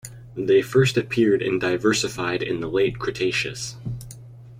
They first appeared and diversified in the Late Cretaceous.